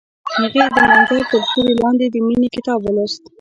هغې د منظر تر سیوري لاندې د مینې کتاب ولوست.